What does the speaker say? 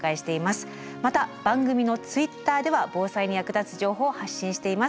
また番組のＴｗｉｔｔｅｒでは防災に役立つ情報を発信しています。